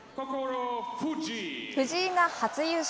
藤井が初優勝。